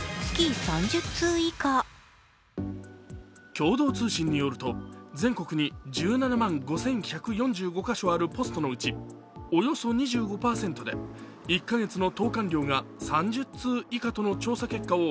共同通信によると全国に１７万５１４５か所あるポストのうちおよそ２５％で１か月の投函量が３０通以下との調査結果を